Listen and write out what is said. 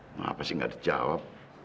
kenapa sih gak dijawab